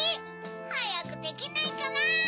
はやくできないかな。